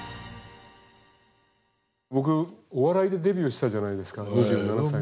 僕お笑いでデビューしたじゃないですか２７歳の時に。